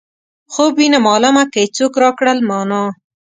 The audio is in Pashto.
خوب وينم عالمه که یې څوک راکړل مانا.